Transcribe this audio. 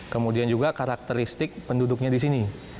kemudian juga karakteristik penduduknya di sini